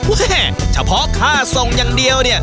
เฉพาะค่าส่งอย่างเดียวเนี่ย